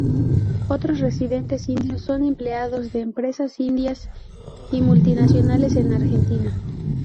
Otros residentes indios son empleados de empresas indias y multinacionales en Argentina.